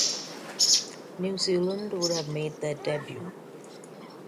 New Zealand would have made their debut.